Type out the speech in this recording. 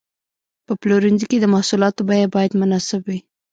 په پلورنځي کې د محصولاتو بیه باید مناسب وي.